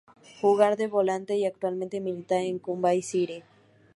Juega de volante y actualmente milita en el Mumbai City.